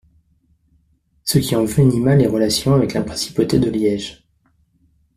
Ce qui envenima les relations avec la principauté de Liège.